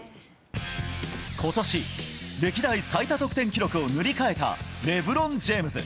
ことし、歴代最多得点を塗り替えた、レブロン・ジェームズ。